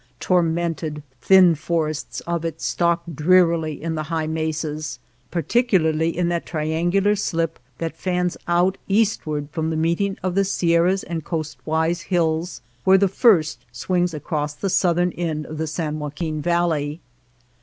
Tormented, thin forests of it stalk drearily in the high mesas, particu larly in that triangular slip that fans out eastward from the meeting of the Sierras and coastwise hills where the first swings across the southern end of the San Joaquin Valley.